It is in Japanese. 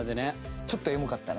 ちょっとエモかったね。